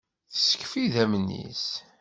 Teskef idammen-is.